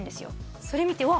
それ見てうわ